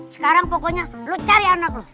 sekarang pokoknya lo cari anak lo